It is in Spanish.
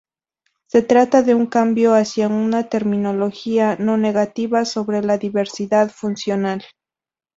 Se trata de un cambio hacia una terminología no negativa sobre la diversidad funcional.